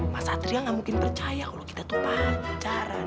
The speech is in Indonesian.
mas atria nggak mungkin percaya kalau kita tuh pacaran